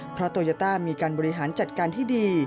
เพราะโตโยต้ามีการบริหารจัดการที่ดี